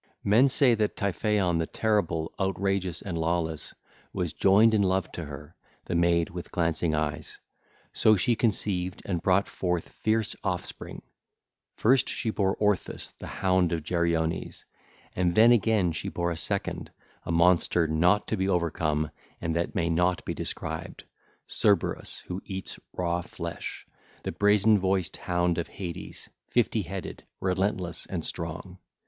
(ll. 306 332) Men say that Typhaon the terrible, outrageous and lawless, was joined in love to her, the maid with glancing eyes. So she conceived and brought forth fierce offspring; first she bare Orthus the hound of Geryones, and then again she bare a second, a monster not to be overcome and that may not be described, Cerberus who eats raw flesh, the brazen voiced hound of Hades, fifty headed, relentless and strong.